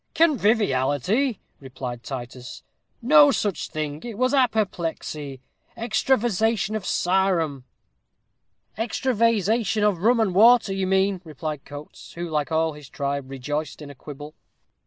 "Conviviality!" replied Titus; "no such thing it was apoplexy extravasation of sarum." "Extra vase ation of rum and water, you mean," replied Coates, who, like all his tribe, rejoiced in a quibble.